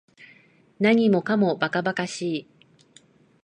何もかも馬鹿馬鹿しい